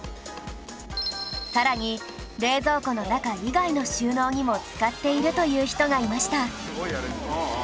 さらに冷蔵庫の中以外の収納にも使っているという人がいました